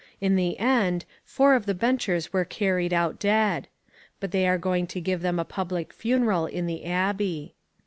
In the end, four of the Benchers were carried out dead. But they are going to give them a public funeral in the Abbey.